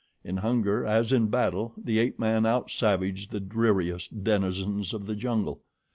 In hunger, as in battle, the ape man out savaged the dreariest denizens of the jungle.